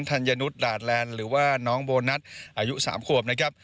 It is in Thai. ัญญนุษย์ดาดแลนด์หรือว่าน้องโบนัสอายุ๓ขวบนะครับ